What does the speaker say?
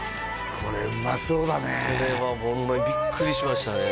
これはホンマにビックリしましたね